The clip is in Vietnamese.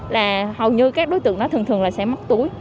là hầu như các đối tượng nó thường thường là sẽ móc túi